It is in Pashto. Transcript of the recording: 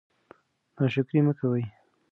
ناشکري مه کوئ.